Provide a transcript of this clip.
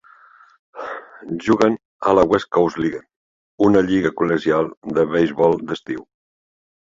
Juguen a la West Coast League, una lliga col·legial de beisbol d'estiu.